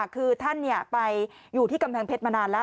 คือท่านไปอยู่ที่กำแพงเพชรมานานแล้ว